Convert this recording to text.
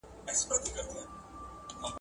آیا برجونه تر عادي کورونو لوړ دي؟